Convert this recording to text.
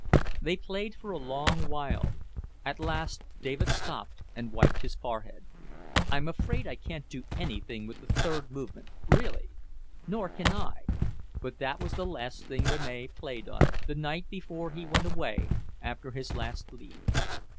They played for a long while. At last David stopped and wiped his forehead. "I'm afraid I can't do anything with the third movement, really." "Nor can I. But that was the last thing Rene played on it, the night before he went away, after his last leave."